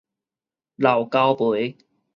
老交陪